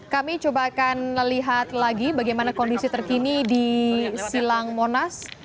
kami coba akan lihat lagi bagaimana kondisi terkini di silang monas